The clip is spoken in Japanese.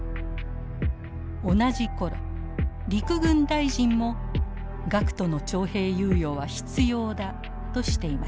同じ頃陸軍大臣も学徒の徴兵猶予は必要だとしていました。